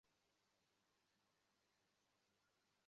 কালেই সমুদয় পরিবর্তন বা পরিণামের আরম্ভ ও সমাপ্তি।